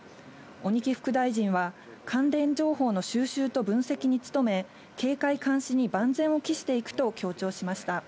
鬼木副大臣は、関連情報の収集と分析に努め、警戒監視に万全を期していくと強調しました。